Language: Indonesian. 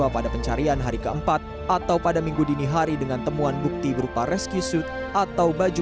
pada pencarian hari keempat atau pada minggu dini hari dengan temuan bukti berupa rescue sut atau baju